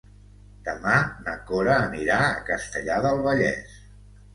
Demà na Cora anirà a Castellar del Vallès.